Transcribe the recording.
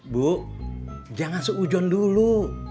bu jangan seujuan dulu